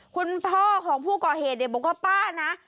คุณพ่อของผู้ก่อเหตุเนี่ยบอกว่าป้านะ